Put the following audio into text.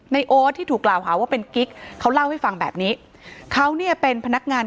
โอ๊ตที่ถูกกล่าวหาว่าเป็นกิ๊กเขาเล่าให้ฟังแบบนี้เขาเนี่ยเป็นพนักงาน